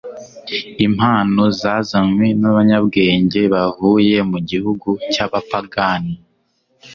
Impano zazanywe n'abanyabwenge bavuye mu gihugu cy'abapagani,